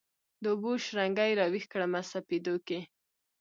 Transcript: د اوبو شرنګي راویښ کړمه سپېدو کښي